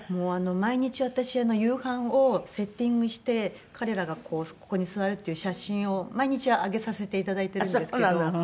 毎日私夕飯をセッティングして彼らがこうここに座るっていう写真を毎日上げさせていただいてるんですけど。